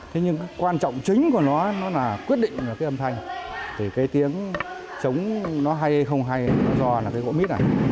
thế nhưng quan trọng chính của nó là quyết định cái âm thanh cái tiếng trống nó hay không hay nó giòn là cái gỗ mít này